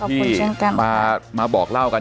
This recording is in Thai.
ที่มาบอกเล่ากัน